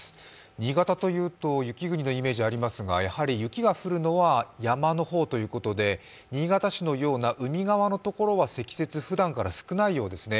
新潟というと雪国のイメージがありますが、雪が降るのは山の方ということで、新潟市のような海側の所は積雪、ふだんから少ないようですね。